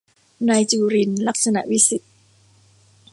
นายจุรินทร์ ลักษณวิศิษฏ์